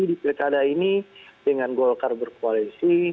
di pilkada ini dengan golkar berkoalisi